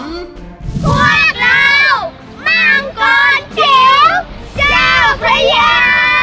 พวกเรามังกรจิ๋วเจ้าพระยาสู้ไม่ช่อยฮ่า